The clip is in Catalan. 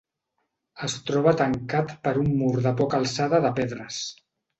Es troba tancat per un mur de poca alçada de pedres.